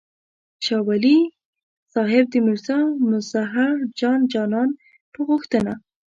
شاه ولي الله صاحب د میرزا مظهر جان جانان په غوښتنه.